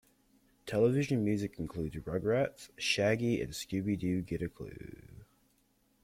Television music includes "Rugrats", "Shaggy and Scooby-Doo Get a Clue!